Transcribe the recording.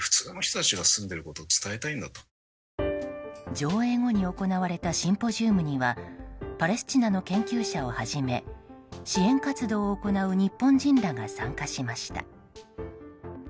上映後に行われたシンポジウムにはパレスチナの研究者をはじめ支援活動を行う日本人らが参加しました。